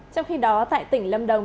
trong khi đó tại tỉnh lâm đông